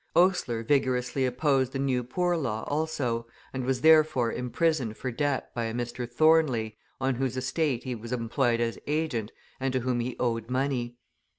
Oastler vigorously opposed the New Poor Law also, and was therefore imprisoned for debt by a Mr. Thornley, on whose estate he was employed as agent, and to whom he owed money.